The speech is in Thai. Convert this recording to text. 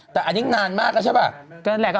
แต่อันนี้นานมากแล้วใช่ป่ะ